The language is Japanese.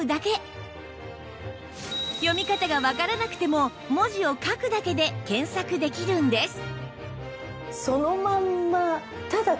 読み方がわからなくても文字を書くだけで検索できるんです